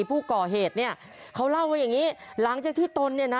ผู้ก่อเหตุเนี่ยเขาเล่าว่าอย่างงี้หลังจากที่ตนเนี่ยนะ